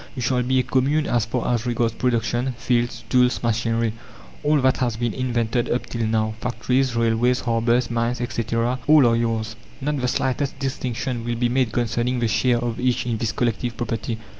"You shall be a Commune as far as regards production: fields, tools, machinery, all that has been invented up till now factories, railways, harbours, mines, etc., all are yours. Not the slightest distinction will be made concerning the share of each in this collective property.